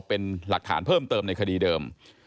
เป็นหลักฐานเพิ่มเติมในคดีเดิม